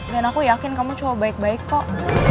dan aku yakin kamu cowok baik baik kok